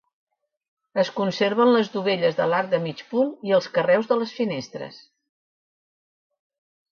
Es conserven les dovelles de l'arc de mig punt i els carreus de les finestres.